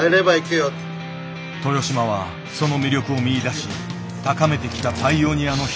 豊島はその魅力を見いだし高めてきたパイオニアの一人。